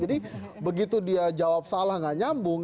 jadi begitu dia jawab salah tidak nyambung